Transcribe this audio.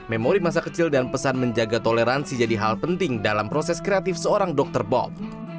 memori masa kecil dan pesan menjaga toleransi jadi hal penting dalam proses kreatif seorang dokter bob